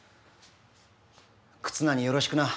忽那によろしくな！